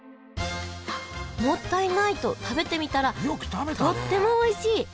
もったいないと食べてみたらとってもおいしい！